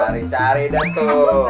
cari cari dah tuh